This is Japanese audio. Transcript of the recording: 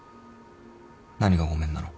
何がごめんなの？